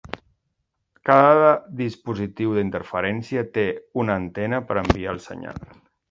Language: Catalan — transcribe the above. Cada dispositiu d'interferència té una antena per enviar el senyal.